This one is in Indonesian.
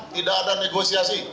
tidak ada negosiasi